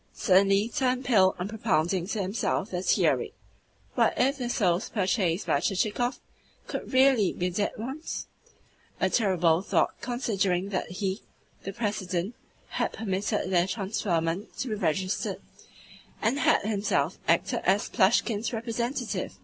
suddenly turned pale on propounding to himself the theory. "What if the souls purchased by Chichikov should REALLY be dead ones?" a terrible thought considering that he, the President, had permitted their transferment to be registered, and had himself acted as Plushkin's representative!